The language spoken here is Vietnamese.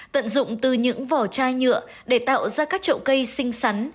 tận dụng từ những vỏ chai nhựa để tạo ra các trậu cây xinh xắn